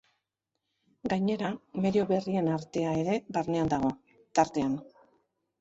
Gainera, medio berrien artea ere barnean dago, tartean.